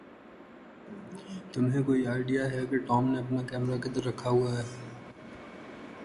تمھیں کوئی آئڈیا ہے کہ ٹام نے اپنا کیمرہ کدھر دکھا ہوا ہے؟